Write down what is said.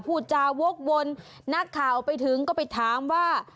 พูดจาวกวนนักข่าวไปถึงก็ไปถามว่า